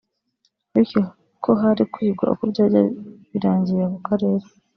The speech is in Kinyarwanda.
bityo ko hari kwigwa uko byajya birangirira ku Karere